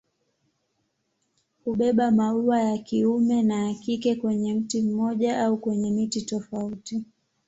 Hubeba maua ya kiume na ya kike kwenye mti mmoja au kwenye miti tofauti.